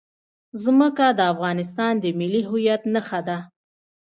ځمکه د افغانستان د ملي هویت نښه ده.